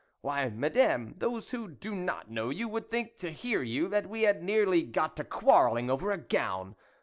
Why, Madame, those who do not know you, would think, to hear you, that we had nearly got to quarrelling over a gown.